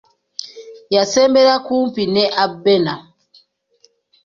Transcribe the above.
Yasembera kumpi ne Abena.